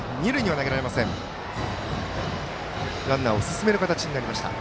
ランナーを進める形になりました。